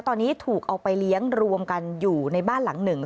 ตอนนี้ถูกเอาไปเลี้ยงรวมกันอยู่ในบ้านหลังหนึ่ง